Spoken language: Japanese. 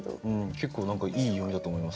結構何かいい読みだと思います。